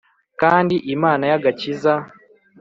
Kandi imana y agakiza